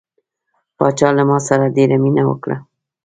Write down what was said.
پاچا له ما سره ډیره مینه وکړه.